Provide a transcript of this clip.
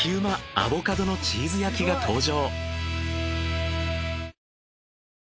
アボカドのチーズ焼きが登場！